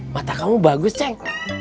mata kamu bagus ceng